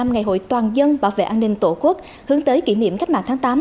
một mươi năm ngày hội toàn dân bảo vệ an ninh tổ quốc hướng tới kỷ niệm khách mạng tháng tám